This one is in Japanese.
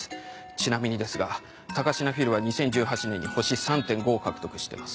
ちなみにですが高階フィルは２０１８年に星３．５を獲得してます。